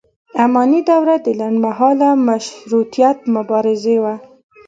اماني دوره د لنډ مهاله مشروطیت مبارزې وه.